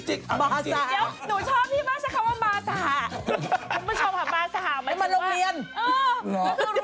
เดี๋ยวหนูชอบพี่มาซะคำว่าบาร์สหา